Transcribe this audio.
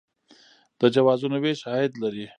د جوازونو ویش عاید لري